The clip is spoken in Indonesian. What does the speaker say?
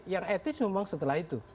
yang etis memang setelah itu